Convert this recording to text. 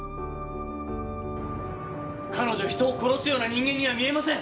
彼女人を殺すような人間には見えません！